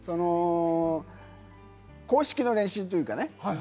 公式の練習というかね